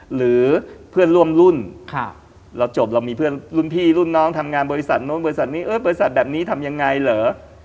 หรือเพื่อนร่วมรุ่นเราจบเรามีเพื่อนรุ่นพี่รุ่นน้องทำงานบริษัทนู้นบริษัทนี้บริษัทแบบนี้ทำยังไงเหรอ